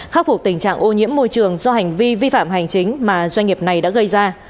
khắc phục tình trạng ô nhiễm môi trường do hành vi vi phạm hành chính mà doanh nghiệp này đã gây ra